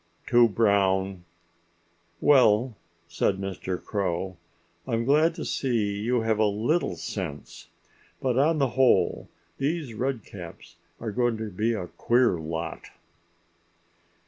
"Too brown!" "Well," said old Mr. Crow, "I'm glad to see you have a little sense. But on the whole these Redcaps are going to be a queer lot."